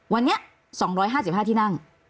วันนี้๒๕๕ที่นั่ง